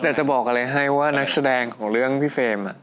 แต่จะบอกอะไรให้ว่านักแสดงของเรื่องพี่เฟรม